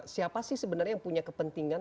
siapa sih sebenarnya yang punya kepentingan